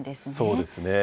そうですね。